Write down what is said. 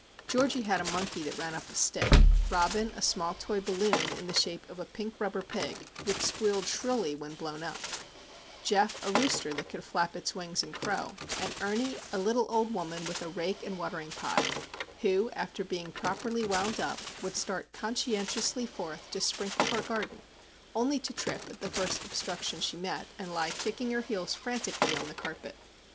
Georgie had a monkey that ran up a stick; Robin a small toy balloon in the shape of a pink rubber pig, that squealed shrilly when blown up; Geof a rooster that could flap its wings and crow; and Ernie a little old woman with a rake and a watering pot, who, after being properly wound up, would start conscientiously forth to sprinkle her garden, only to trip at the first obstruction she met, and lie kicking her heels frantically on the carpet.